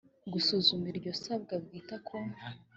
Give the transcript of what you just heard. gusuzuma iryo sabwa rwita ku